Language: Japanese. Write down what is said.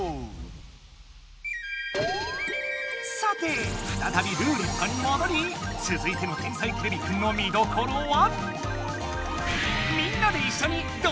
さてふたたびルーレットにもどりつづいての「天才てれびくん」の見どころは。